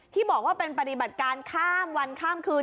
ที่บอกว่าเป็นปฏิบัติการข้ามวันข้ามคืน